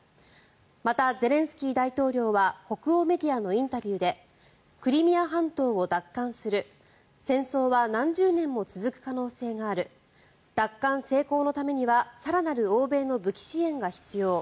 また、ゼレンスキー大統領は北欧メディアのインタビューでクリミア半島を奪還する戦争は何十年も続く可能性がある奪還成功のためには更なる欧米の武器支援が必要